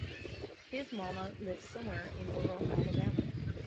His mama lives somewhere in rural Alabama.